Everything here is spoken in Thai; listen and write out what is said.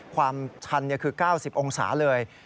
ความชันคือ๙๐องศาเลย